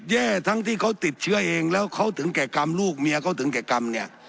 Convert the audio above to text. แย่ทั้งที่เขาติดเชื้อเองแล้วเขาถึงแก่กรรมลูกเมียเขาถึงแก่กรรมเนี่ย